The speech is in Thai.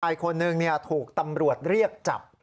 ผู้ชายคนนึงถูกตำรวจเรียกจับ